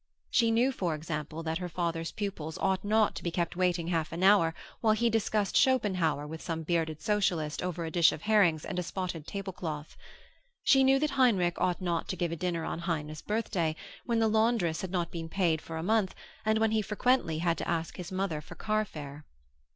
She knew, for example, that her father's pupils ought not to be kept waiting half an hour while he discussed Schopenhauer with some bearded socialist over a dish of herrings and a spotted tablecloth. She knew that Heinrich ought not to give a dinner on Heine's birthday, when the laundress had not been paid for a month and when he frequently had to ask his mother for carfare.